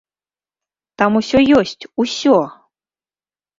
Там усё ёсць, усё!